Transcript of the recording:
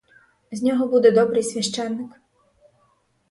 З його буде добрий священик.